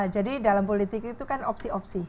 jadi dalam politik itu kan opsi opsi